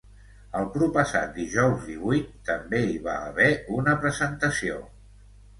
El proppassat dijous divuit també hi va haver una presentació.